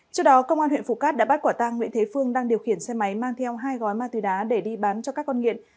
trước đó công an huyện phú cát đã bắt quả tang nguyễn thế phương đang điều khiển xe máy mang theo hai gói ma túy đá để đi bán cho các con nghiện